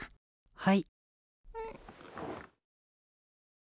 はい。